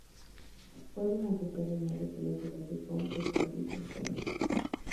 Fue durante este reinado que la ciudad de Qom se expandió y prosperó.